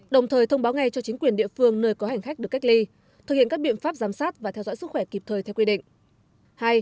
đồng thời thông báo ngay cho chính quyền địa phương nơi có hành khách được cách ly thực hiện các biện pháp giám sát và theo dõi sức khỏe kịp thời theo quy định